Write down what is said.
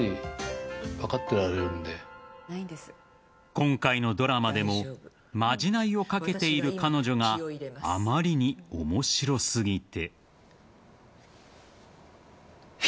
今回のドラマでもまじないをかけている彼女があまりに面白すぎて。